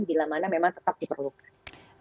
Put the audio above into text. bila mana memang tetap diperlukan